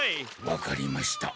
わかりました。